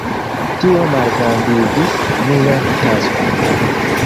Tio malgrandigis mia taskon.